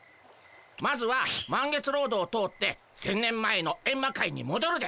まずは満月ロードを通って１，０００年前のエンマ界にもどるでゴンス。